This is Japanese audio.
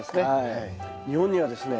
日本にはですね